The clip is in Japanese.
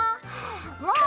もう！